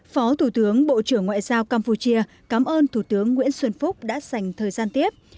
phó thủ tướng bộ trưởng ngoại giao campuchia cảm ơn thủ tướng nguyễn xuân phúc đã dành thời gian tiếp